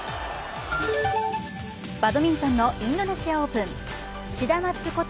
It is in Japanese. バドミントンのインドネシアオープンシダマツこと